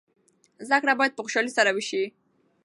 زده کړه باید په خوشحالۍ سره وسي.